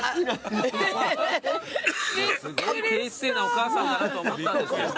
すごい低姿勢なお母さんだなと思ったんですよ。